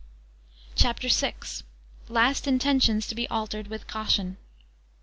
CHAPTER VI Last intentions to be altered with caution.